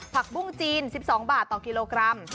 ผักบุ้งจีน๑๒บาทต่อกิโลกรัม